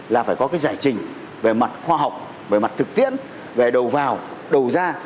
là phải có cái giải trình về mặt khoa học về mặt thực tiễn về đầu vào đầu ra